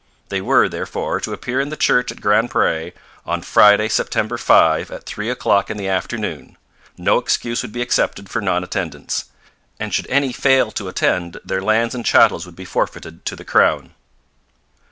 They were, therefore, to appear in the church at Grand Pre on Friday, September 5, at three o'clock in the afternoon. No excuse would be accepted for non attendance; and should any fail to attend, their lands and chattels would be forfeited to the crown.